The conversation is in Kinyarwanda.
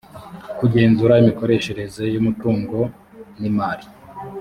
kugenzura imikoreshereze y’umutungo n’imali